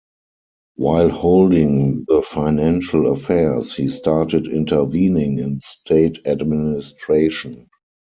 While holding the financial affairs, he started intervening in state administration.